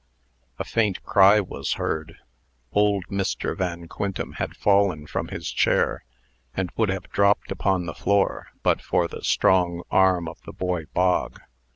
A faint cry was heard. Old Mr. Van Quintem had fallen from his chair, and would have dropped upon the floor, but for the strong arm of the boy Bog.